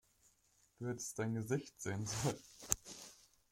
Du hättest dein Gesicht sehen sollen!